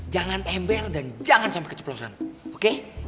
jangan embel dan jangan sampe keceplosan oke